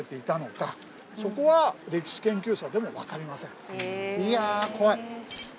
そこは歴史研究者でもわかりません。